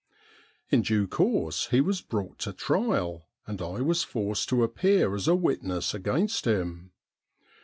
In due course he was brought to trial, and I was forced to appear as a witness against him.